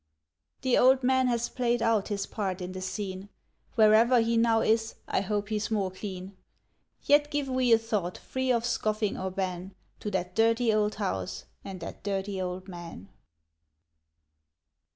The old man has played out his part in the scene. Wherever he now is, I hope he's more clean. Yet give we a thought free of scoffing or ban To that Dirty Old House and that Dirty Old Man.